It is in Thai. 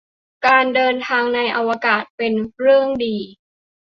การเดินทางในอวกาศ เป็นเรื่องดี